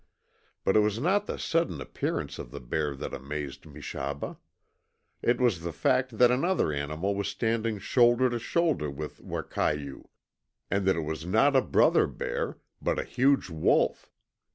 But it was not the sudden appearance of the bear that amazed Meshaba. It was the fact that another animal was standing shoulder to shoulder with Wakayoo, and that it was not a brother bear, but a huge wolf.